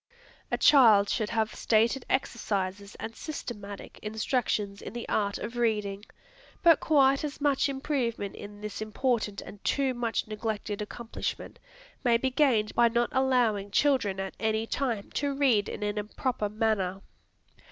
A child should have stated exercises and systematic instructions in the art of reading. But quite as much improvement in this important and too much neglected accomplishment may be gained by not allowing children at any time to read in an improper manner.